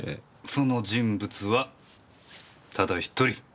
その人物はただ１人。